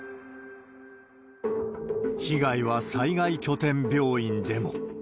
被害は災害拠点病院でも。